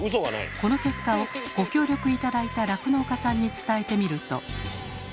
この結果をご協力頂いた酪農家さんに伝えてみると。